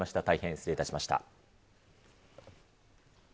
大変失礼いたしました。